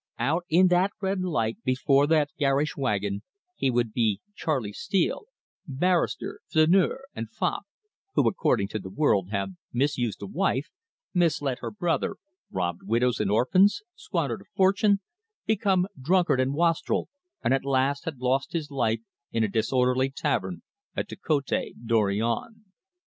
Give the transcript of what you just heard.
Out in that red light, before that garish wagon, he would be Charley Steele, barrister, 'flaneur', and fop, who, according to the world, had misused a wife, misled her brother, robbed widows and orphans, squandered a fortune, become drunkard and wastrel, and at last had lost his life in a disorderly tavern at the Cote Dorion.